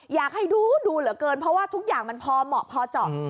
อยากให้ดูดูเหลือเกินเพราะว่าทุกอย่างมันพอเหมาะพอเจาะ